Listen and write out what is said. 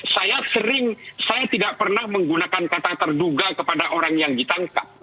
saya sering saya tidak pernah menggunakan kata terduga kepada orang yang ditangkap